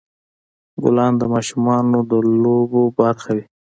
ګلان د ماشومانو د لوبو برخه وي.